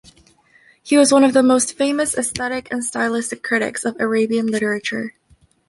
He was one of the most famous aesthetic and stylistic critics of Arabian literature.